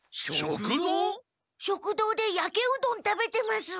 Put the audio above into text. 食堂でやけうどん食べてます。